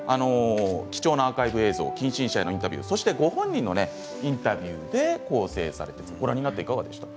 貴重なアーカイブ映像近親者へのインタビューご本人のインタビューで構成されています。